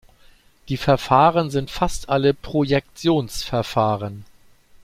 Die Verfahren sind fast alle Projektions-Verfahren.